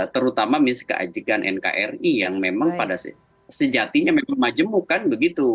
terutama misalnya keajegan nkri yang memang pada sejatinya memang majemukan begitu